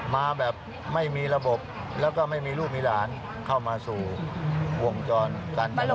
มาแบบไม่มีระบบแล้วก็ไม่มีลูกมีหลานเข้ามาสู่วงจรการเงิน